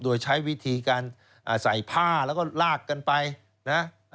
โดยใช้วิธีการใส่ผ้าแล้วก็ลากกันไปนะ